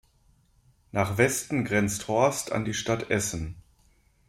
Nach Westen grenzt Horst an die Stadt Essen.